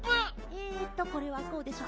えっとこれはこうでしょ。